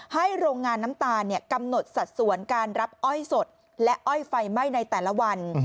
โรงงานน้ำตาลกำหนดสัดส่วนการรับอ้อยสดและอ้อยไฟไหม้ในแต่ละวัน